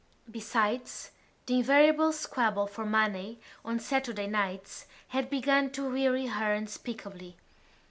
Besides, the invariable squabble for money on Saturday nights had begun to weary her unspeakably.